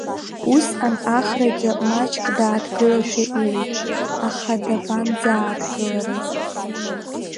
Усҟан Ахрагьы маҷк дааҭгылашәа иуит, аха дабанӡааҭгыларыз!